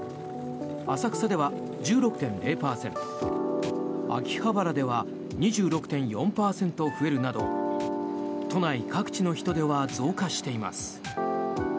浅草では１６．０％秋葉原では２６．４％増えるなど都内各地の人出は増加しています。